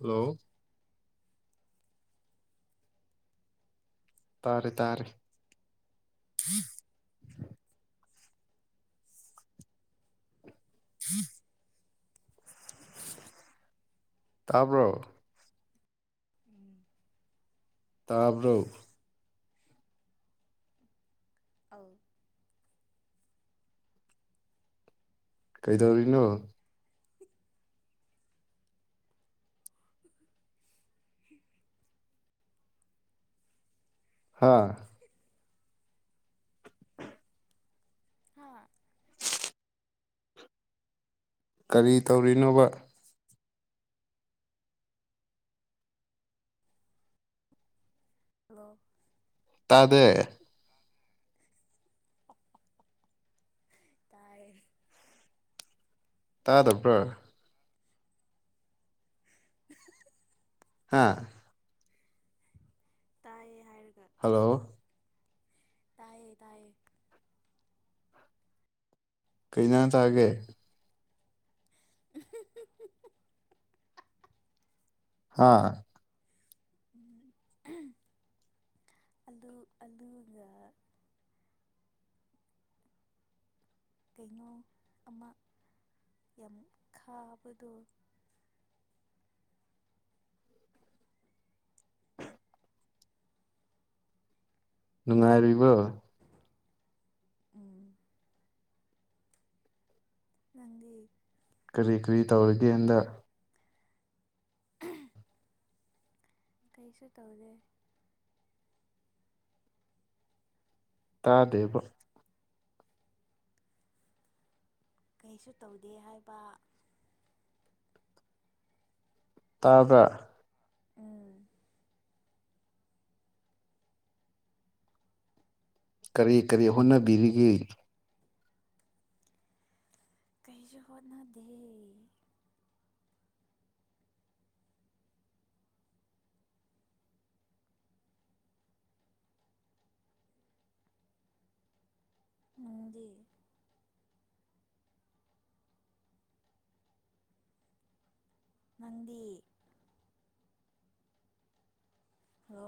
hello hello ꯇꯥꯔꯦ ꯇꯥꯔꯦ ꯍꯝ ꯇꯔꯕ ꯎꯝ ꯇꯥꯕ꯭ꯔꯨ ꯑ ꯀꯩꯗꯧꯔꯤꯅꯣ ꯍꯝ ꯍꯥꯥ ꯍꯥꯥ ꯀꯔꯤ ꯇꯧꯔꯤꯅꯣꯕ ꯗ ꯇꯥꯗ ꯇ ꯇꯥꯗꯕ꯭ꯔꯣ [unintelligible] ꯍꯥꯥ ꯇꯥꯏꯌꯦ ꯍꯜꯂꯣ ꯇꯦ ꯇꯥꯏꯩ ꯀꯩꯅꯥ ꯇꯥꯒꯦ ꯍꯥꯥ ꯑꯂ ꯑꯂꯨꯒ ꯀꯩꯅꯣ ꯑꯃ ꯌꯥꯝ ꯈꯥꯕꯗꯣ ꯅꯨꯡꯉꯥꯏꯔꯤꯕ꯭ꯔꯣ ꯎꯝ ꯃꯪꯗꯤꯦ ꯀꯔꯤ ꯀꯔꯤ ꯇꯧꯔꯒꯦꯟꯗ [unintelligible] ꯀꯩꯁꯨ ꯇꯧꯗꯦ ꯇꯥꯗꯦꯕ ꯀꯩꯁꯨ ꯇꯧꯗꯦ ꯍꯥꯏꯕ ꯇꯥꯕ ꯎꯝ ꯀꯔꯤ ꯀꯔꯤ ꯍꯣꯠꯅꯕꯤꯔꯤꯒꯦ ꯀꯩꯁꯨ ꯍꯣꯠꯅꯗꯦ ꯃꯟꯗꯤ ꯃꯗꯤ ꯍꯣ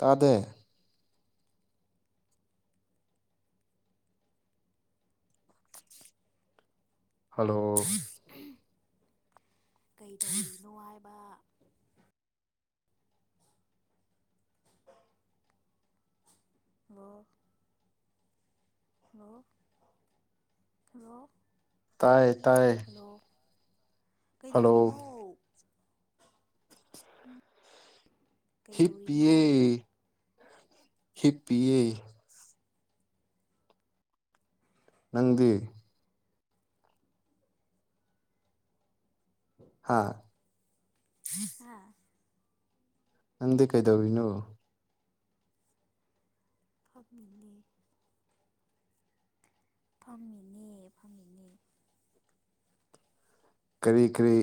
ꯇꯗ ꯍꯜꯂꯣ ꯎꯝ ꯀꯩ ꯇꯧꯔꯤꯅꯣ ꯍꯥꯏꯕ ꯃꯣ ꯍꯜꯂꯣ ꯍꯜꯂꯣ ꯇꯌꯦ ꯇꯌꯦ ꯍꯜꯂꯣ ꯀꯩꯗꯧꯔꯤꯅꯣ ꯎꯝ ꯍꯤꯄꯦ ꯍꯤꯞꯄꯦ ꯅꯪꯗꯤ ꯍꯥꯥ ꯍꯝ ꯍꯥꯥ ꯅꯗꯦ ꯀꯩꯗꯧꯔꯤꯅꯨ ꯊꯞꯃꯤꯅꯤ ꯐꯝꯃꯤꯅꯦ ꯐꯝꯃꯤꯅꯦ ꯀꯔꯤ ꯀꯔꯤ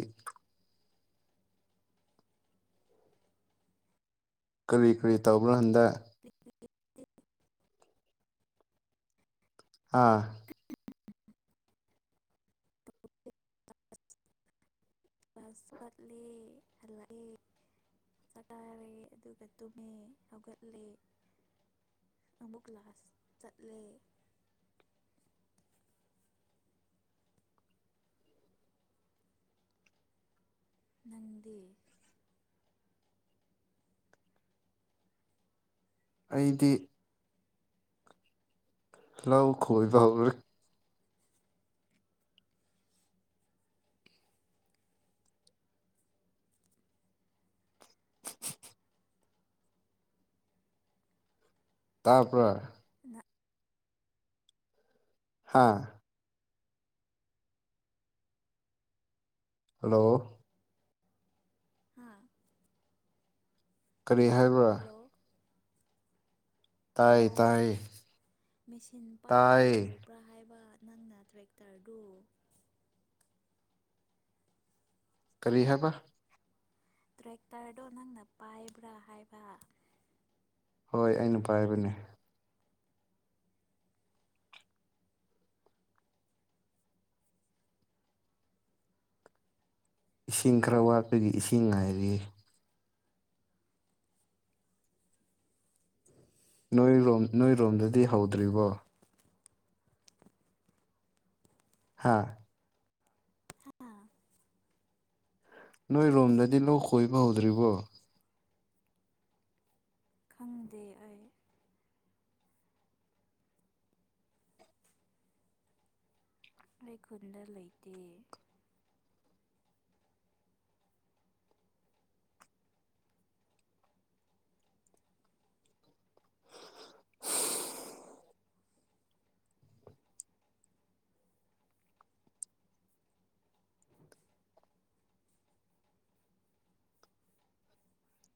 ꯀꯔꯤ ꯀꯔꯤ ꯇ ꯎꯕꯂꯍꯟꯗ ꯑꯥ ꯂꯥꯁ ꯀꯠꯂꯦ ꯍꯜꯂꯛꯑꯦ ꯆꯇꯥꯔꯦ ꯑꯗꯨꯒ ꯇꯨꯝꯃꯦ ꯍꯧꯒꯠꯂꯦ ꯑꯃꯨꯛ ꯂꯥꯁ ꯆꯠꯂꯦ ꯅꯟꯗꯤ ꯑꯩꯗꯤ ꯍꯂꯎ ꯈꯣꯣꯏꯕ ꯍꯔꯦ [unintelligible] ꯇꯥꯄ ꯍꯥꯥ ꯍꯜꯂꯣ ꯍꯥ ꯀꯔꯤ ꯍꯥꯏꯕ꯭ꯔꯥ ꯍꯜꯂꯣ ꯇꯥꯏ ꯍꯜꯂꯣ ꯇꯥꯏ ꯃꯦꯆꯤꯟ ꯄꯥꯏꯔꯒ ꯇꯥꯏ ꯇꯧꯕ꯭ꯔꯥ ꯍꯥꯏꯕ ꯅꯪꯅ ꯇ꯭ꯔꯦꯛꯇꯔꯗꯨ ꯀꯔꯤ ꯍꯥꯏꯦꯕ ꯇ꯭ꯔꯦꯛꯇꯔꯗꯣ ꯅꯪꯅ ꯄꯥꯏꯕ꯭ꯔꯥ ꯍꯥꯏꯕ ꯍꯣꯏ ꯑꯩꯅ ꯄꯥꯏꯕꯅꯦ ꯏꯁꯤꯡ ꯈꯔ ꯋꯥꯠꯄꯒꯤ ꯏꯁꯤꯡ ꯉꯥꯏꯔꯤ ꯅꯣꯏꯔꯣꯝ ꯅꯣꯏꯔꯣꯝꯗꯗꯤ ꯍꯧꯗ꯭ꯔꯤꯕꯣ ꯍꯥꯥ ꯅꯣꯏ ꯔꯣꯝꯗꯗꯤ ꯂ ꯈꯣꯏꯕ ꯍꯧꯗ꯭ꯔꯤꯕꯣ ꯈꯪꯗꯦ ꯑꯩ ꯑꯩꯩ ꯈꯨꯟꯗ ꯂꯩꯇꯦ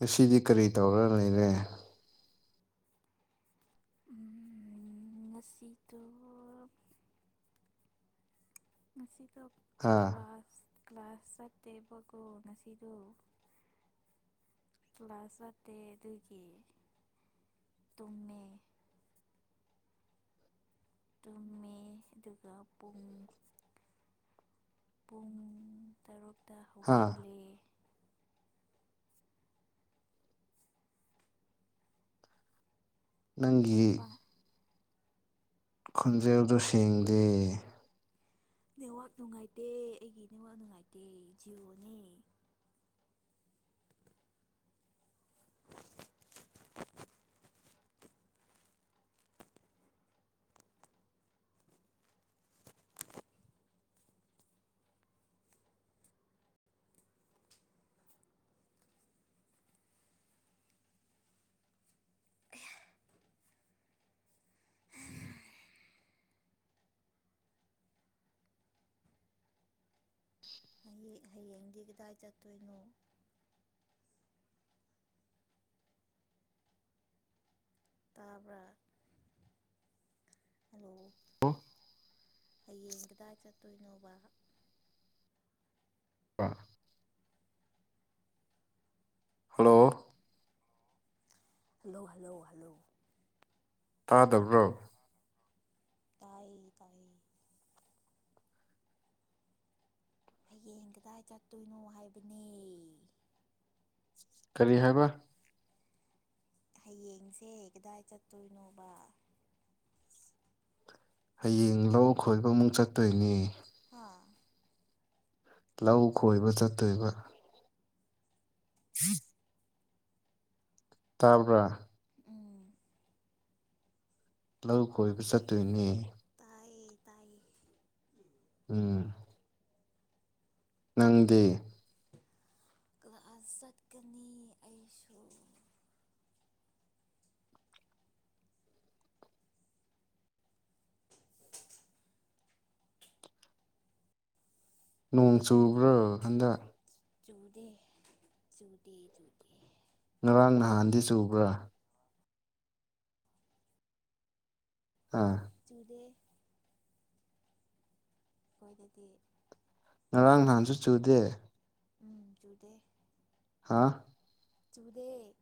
ꯑꯁꯤꯁꯤꯗꯤ ꯀꯔꯤ ꯇꯧꯔ ꯂꯩꯔꯦ ꯉꯁꯤꯗ ꯉꯁꯤ ꯍꯥ ꯆꯀꯋꯥꯁ ꯀ꯭ꯂꯥꯁ ꯆꯠꯇꯦꯕꯀꯣ ꯉꯁꯤꯗ ꯀ꯭ꯂꯥꯁ ꯆꯠꯇꯦ ꯑꯗꯨꯒꯤ ꯇꯨꯝꯃꯦ ꯇꯨꯝꯃꯦ ꯑꯗꯨꯒ ꯄꯨꯡ ꯄꯨꯡ ꯇꯔꯨꯛ ꯗ ꯍꯥ ꯍꯧꯒꯠꯂꯤꯦ ꯅꯪꯒꯤꯤ ꯃꯄꯥꯟ ꯈꯨꯣꯟꯖꯦꯛꯗ ꯁꯦꯡꯗꯦ ꯅꯦꯠꯋꯥꯛ ꯅꯨꯡꯉꯥꯏꯇꯦ ꯑꯩꯒꯤ ꯅꯦꯠꯋꯥꯛ ꯅꯨꯡꯉꯥꯏꯇꯦ ꯖꯤꯑꯣꯅꯦ ꯍ ꯍꯌꯦꯡꯗꯤ ꯀꯗꯥꯏ ꯆꯠꯇꯣꯏꯅꯣ ꯇꯥꯕ꯭ꯔꯥ ꯑ ꯑꯣ ꯍꯌꯦꯡ ꯀꯗꯥꯏ ꯆꯠꯇꯣꯏꯅꯣꯕ ꯍꯜꯂꯣ ꯍꯜꯂꯣ ꯍꯜꯂꯣ ꯍꯜꯂꯣ ꯇꯥꯗꯕ꯭ꯔꯣ ꯇꯥꯏ ꯇꯥꯏ ꯍꯌꯦꯡ ꯀꯗꯥꯏ ꯆꯠꯇꯣꯏꯅꯣ ꯍꯥꯏꯕꯅꯦ ꯀꯔꯤ ꯍꯥꯏꯕ ꯍꯌꯦꯡꯁꯦ ꯀꯗꯥꯏ ꯆꯠꯇꯣꯏꯅꯣꯕ ꯍꯌꯦꯡ ꯂꯧ ꯈꯣꯏꯕꯃꯨꯛ ꯆꯠꯇꯣꯏꯅꯦ ꯍꯥ ꯂꯧ ꯈꯣꯏꯕ ꯆꯠꯇꯣꯏꯕ ꯍꯝ ꯇꯥꯕꯔ ꯎꯝ ꯂꯧ ꯀꯣꯏꯕ ꯆꯠꯇꯣꯏꯅꯦ ꯇꯥꯏꯌꯦ ꯇꯥꯏꯌꯦ ꯎꯝ ꯅꯪꯗꯤꯦ ꯀ꯭ꯂꯥꯁ ꯆꯠꯀꯅꯤ ꯑꯩꯁꯨ ꯅꯣꯡ ꯆꯨꯕ꯭ꯔꯣ ꯍꯟꯗꯛ ꯆꯗꯦ ꯆꯗꯗ ꯉꯔꯥꯡ ꯅꯍꯥꯟꯗꯤ ꯆꯨꯕ꯭ꯔꯥ ꯑ ꯆꯨꯗꯦ ꯑꯩꯣꯏꯗꯗꯤ ꯉꯔꯥꯡ ꯅꯍꯥꯟꯁꯨ ꯆꯨꯗꯦ ꯎꯝ ꯆꯨꯗꯦ ꯑ ꯆꯨꯗꯦꯛ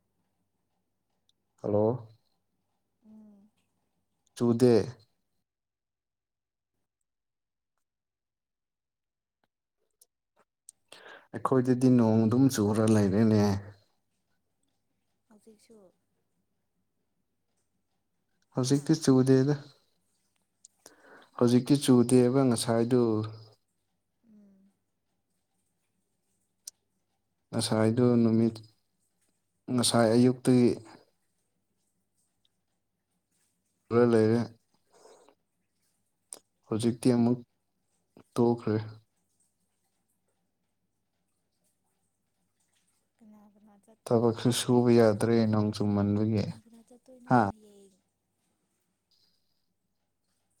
ꯍꯜꯂꯣ ꯎꯝ ꯆꯨꯗꯦ ꯑꯩꯈꯣꯏꯗꯗꯤ ꯅꯣꯡꯗꯨꯝ ꯆꯨꯔ ꯂꯩꯔꯦꯅꯦ ꯗꯤꯁꯨꯁꯨ ꯍꯧꯖꯤꯛꯇꯤ ꯆꯨꯗꯦꯗ ꯍꯧꯖꯤꯛꯇꯤ ꯆꯨꯗꯦꯕ ꯉꯁꯥꯏꯗꯨ ꯎꯝ ꯉꯁꯥꯏꯗꯨ ꯅꯨꯃꯤꯠ ꯉꯁꯥꯏ ꯑꯌꯨꯛꯇꯒꯤ ꯄꯨ ꯂꯩꯔꯦ ꯍꯧꯖꯤꯛꯇꯤ ꯑꯃꯨꯛ ꯇꯣꯛꯈ꯭ꯔꯦ ꯀꯅ ꯅꯥ ꯆꯠꯇꯣꯏꯅꯣ ꯊꯕꯛꯁꯨ ꯍꯌꯦ ꯁꯨꯕ ꯌꯥꯗ꯭ꯔꯦ ꯅꯣꯡ ꯆꯨꯝꯃꯟꯕꯒꯤ ꯀꯅꯥ ꯀꯅꯥ ꯆꯠꯇꯣꯏꯅꯣ ꯍꯥ ꯍꯌꯦ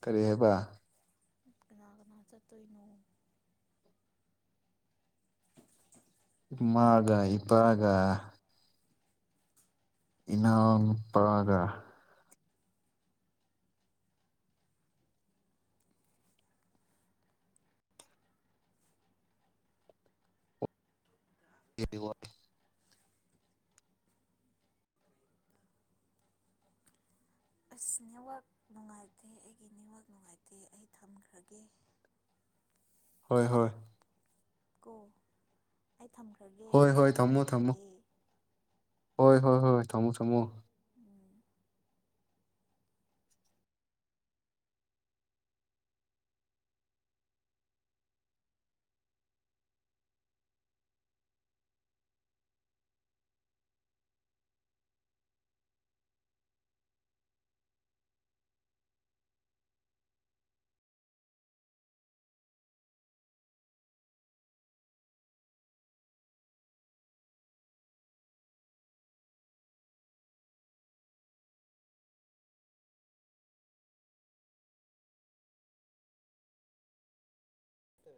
ꯀꯔꯤ ꯍꯥꯏꯕ ꯀꯅꯥ ꯆ ꯇꯣꯏꯅꯣꯡ ꯃꯥꯒ ꯏꯄꯥꯒ ꯏꯅ ꯄꯒ ꯋꯥ ꯑꯁ ꯅꯦꯠꯋꯥꯛ ꯅꯨꯡꯉꯥꯏꯇꯦ ꯑꯩꯒꯤ ꯅꯦꯠꯋꯥꯛ ꯅꯨꯡꯉꯥꯏꯇꯦ ꯑꯩ ꯊꯝꯈ꯭ꯔꯒꯦ ꯍꯣꯏ ꯍꯣꯏ ꯀꯣ ꯊꯝꯈ꯭ꯔꯒꯦ ꯍꯣꯏ ꯑꯩꯒꯤ ꯍꯣꯏ ꯅꯦꯠꯋꯥꯛ ꯊꯝꯃꯣ ꯅꯨꯡꯉꯥꯏꯇꯦ ꯊꯝꯃꯣ ꯍꯣꯏ ꯍꯣꯏ ꯍꯣꯏ ꯊꯝꯃꯣ ꯊꯝꯃꯣ ꯎꯝ ꯠꯇ